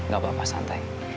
gak apa apa santai